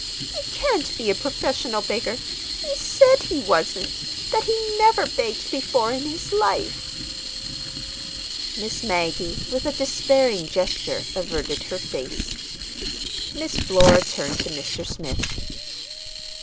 "He can't be a professional beggar. He said he wasn't—that he never begged before in his life." Miss Maggie, with a despairing gesture, averted her face. Miss Flora turned to Mr. Smith. "Mr.